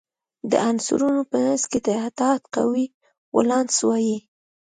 د عنصرونو په منځ کې د اتحاد قوې ته ولانس وايي.